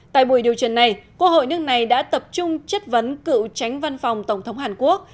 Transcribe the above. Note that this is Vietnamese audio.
tại buổi điều trần này quốc hội nước này đã tập trung chất vấn cựu tránh văn phòng tổng thống hàn quốc